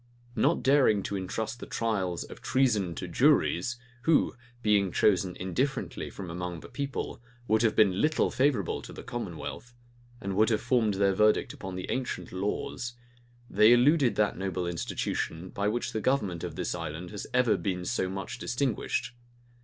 Not daring to intrust the trials of treason to juries, who, being chosen indifferently from among the people, would have been little favorable to the commonwealth, and would have formed their verdict upon the ancient laws, they eluded that noble institution, by which the government of this island has ever been so much distinguished.